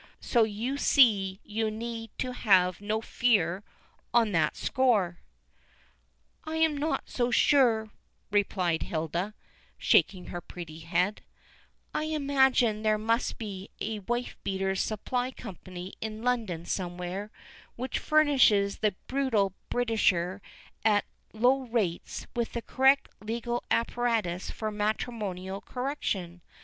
So you see you need have no fear on that score." "I am not so sure," replied Hilda, shaking her pretty head, "I imagine there must be a Wife Beaters' Supply Company in London somewhere, which furnishes the brutal Britisher at lowest rates with the correct legal apparatus for matrimonial correction.